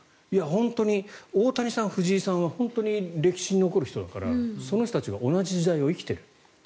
大谷さん、藤井さんは本当に歴に残る人だからこの人たちが同じ時代を生きている。